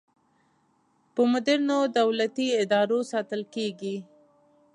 په مدرنو دولتي ادارو ساتل کیږي.